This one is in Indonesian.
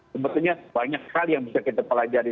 sebetulnya banyak sekali yang bisa kita pelajari